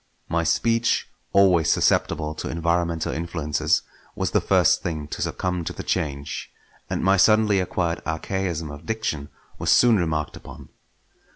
My speech, always susceptible to environmental influences, was the first thing to succumb to the change; and my suddenly acquired archaism of diction was soon remarked upon.